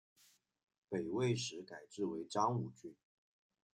北魏时改置为章武郡。